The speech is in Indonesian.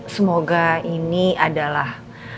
semoga ini adalah